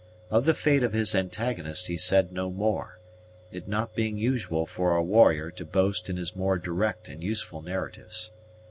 Of the fate of his antagonist he said no more, it not being usual for a warrior to boast in his more direct and useful narratives.